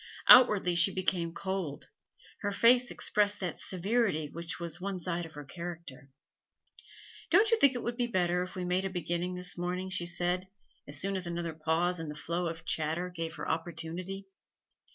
Outwardly she became cold; her face expressed that severity which was one side of her character. 'Don't you think it would be better if we made a beginning this morning?' she said, as soon as another pause in the flow of chatter gave her opportunity.